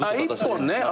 １本ね。